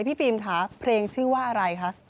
พี่ฟิล์มค่ะเพลงชื่อว่าอะไรคะ